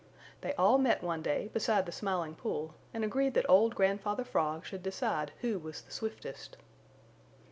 They all met one day beside the Smiling Pool and agreed that old Grandfather Frog should decide who was the swiftest.